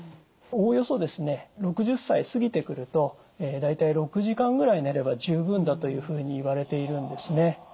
おおよそですね６０歳過ぎてくると大体６時間ぐらい寝れば十分だというふうにいわれているんですね。